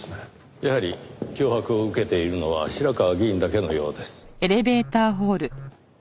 やはり脅迫を受けているのは白河議員だけのようです。